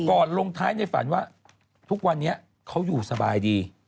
ลงท้ายในฝันว่าทุกวันนี้เขาอยู่สบายดี